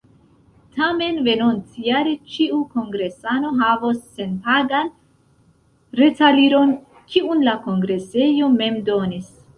Tamen venontjare ĉiu kongresano havos senpagan retaliron, kiun la kongresejo mem donis.